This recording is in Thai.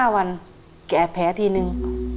๕วันแกะแผลทีนึง